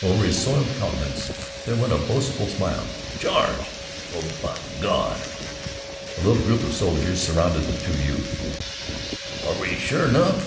Over his soiled countenance there went a boastful smile. "Charge? Well, b'Gawd!" A little group of soldiers surrounded the two youths. "Are we, sure 'nough?